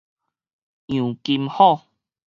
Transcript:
楊金虎